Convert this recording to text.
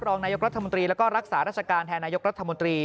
รองนายกรัฐมนตรีแล้วก็รักษาราชการแทนนายกรัฐมนตรี